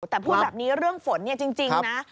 แต่พูดแบบนี้เรื่องฝนเนี่ยจริงนะ